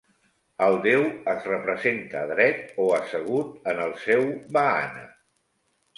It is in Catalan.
El déu es representa dret o assegut en el seu vahana.